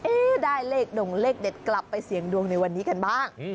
ได้เลขดงเลขเด็ดกลับไปเสี่ยงดวงในวันนี้กันบ้าง